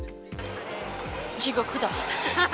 地獄だ。